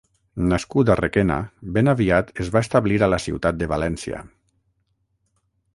Nascut a Requena, ben aviat es va establir a la ciutat de València.